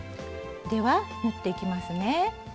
では縫っていきますね。